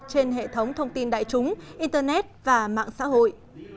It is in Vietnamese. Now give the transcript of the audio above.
trên hệ thống thông tin đại chúng internet và mạng xã hội